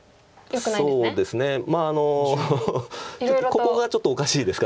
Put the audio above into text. ここがちょっとおかしいですか。